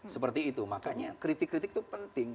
seperti itu makanya kritik kritik itu penting